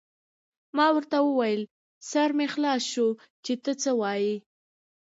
ما ورته وویل: سر مې خلاص شو، چې ته څه وایې.